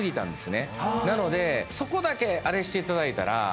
なのでそこだけあれしていただいたら。